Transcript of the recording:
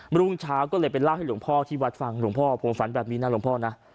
รุ่งเช้าก็เลยไปเล่าให้หลวงพ่อที่วัดฟังหลวงพ่อผมฝันแบบนี้นะหลวงพ่อนะ